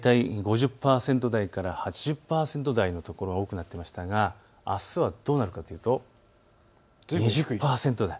きょうが紫で大体５０％台から８０％台の所が多くなっていましたがあすはどうなるかというと２０％台。